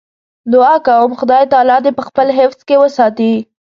دعا کوم خدای تعالی دې په خپل حفظ کې وساتي.